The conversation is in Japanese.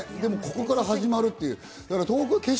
ここから始まるという。